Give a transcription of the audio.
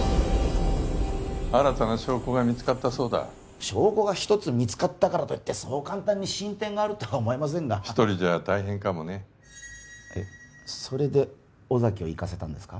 新たな証拠が見つかったそうだ証拠が１つ見つかったからといってそう簡単に進展があるとは思えませんが１人じゃ大変かもねえっそれで尾崎を行かせたんですか？